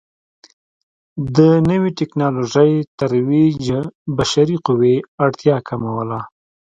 د نوې ټکنالوژۍ ترویج بشري قوې اړتیا کموله.